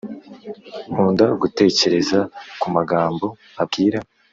Nkunda gutekereza kumagambo abwira